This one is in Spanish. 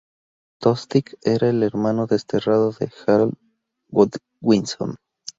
Tostig era el hermano desterrado de Haroldo Godwinson.